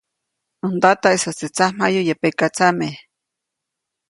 Ndataʼisäjtsi tsamjayu yäʼ pekatsame,.